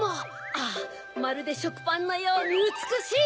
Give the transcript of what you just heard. あぁまるでしょくパンのようにうつくしい！